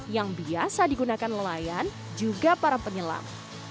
yang biasa digunakan nelayan juga para penyelam